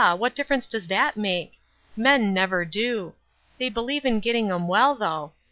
what difference does that make ? Men never do. They believe in getting 'em well, though.